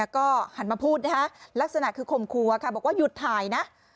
ก็หันมาพูดนะคะลักษณะคือข่มครัวค่ะบอกว่าหยุดถ่ายนะ